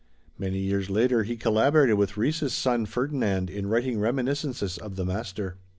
Many years later he collaborated with Ries's son Ferdinand in writing reminiscences of the master.